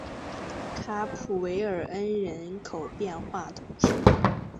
卡普韦尔恩人口变化图示